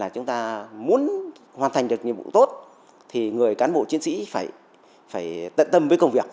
chúng ta muốn hoàn thành được nhiệm vụ tốt thì người cán bộ chiến sĩ phải tận tâm với công việc